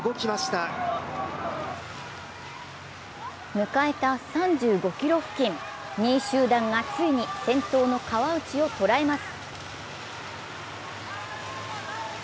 迎えた３５ｋｍ付近、２位集団がついに先頭の川内を捉えます。